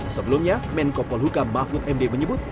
sebelumnya menko polhuka mahfud md menyebut